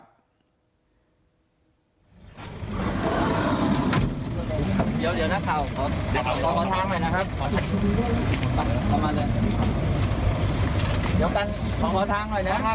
เดี๋ยวกันขอทางหน่อยนะครับ